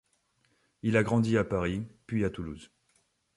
Il grandit à Paris, puis à Toulouse.